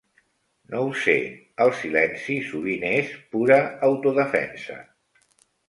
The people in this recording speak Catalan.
No ho sé, el silenci sovint és pura autodefensa.